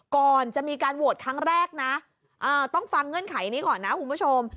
ก่อนจะมีการโหวตครั้งแรกนะต้องฟังเงื่อนไขนี้ก่อนนะคุณผู้ชม